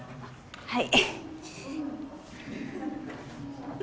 はい。